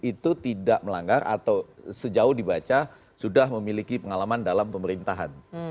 itu tidak melanggar atau sejauh dibaca sudah memiliki pengalaman dalam pemerintahan